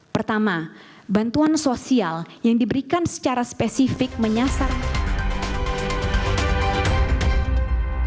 pertama bantuan sosial yang diberikan secara spesifik menyasar